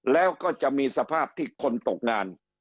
แล้วก็จะมีสภาพที่คนตกงาน